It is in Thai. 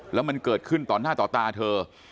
แล้วมันเกิดขึ้นต่อหน้าต่อตาเธอ